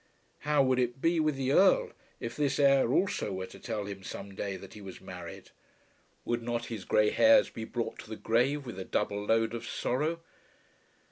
How would it be with the Earl if this heir also were to tell him some day that he was married? Would not his grey hairs be brought to the grave with a double load of sorrow?